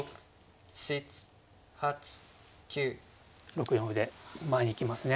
６四歩で前に行きますね。